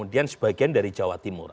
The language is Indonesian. dan sebagian dari jawa timur